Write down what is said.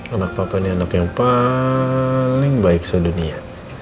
anak papa ini anak yang paling baik se dunia